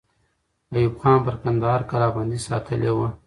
ایوب خان پر کندهار کلابندۍ ساتلې وه.